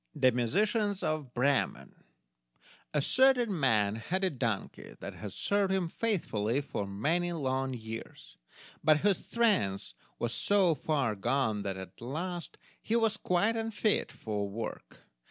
The Musicians of Bremen A certain man had a donkey that had served him faithfully for many long years, but whose strength was so far gone that at last he was quite unfit for work.